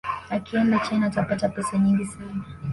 akienda china atapata pesa nyingi sana